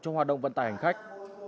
cho hoạt động vận tài hành khách